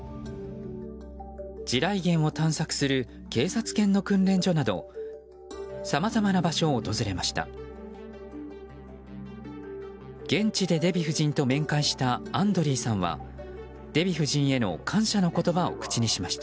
地雷原を探索する警察犬の訓練所などさまざまな場所を訪れました。